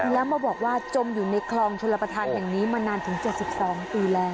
แล้วมาบอกว่าจมอยู่ในคลองชลประธานแห่งนี้มานานถึง๗๒ปีแล้ว